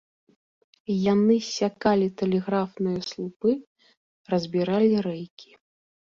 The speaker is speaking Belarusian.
Яны ссякалі тэлеграфныя слупы, разбіралі рэйкі.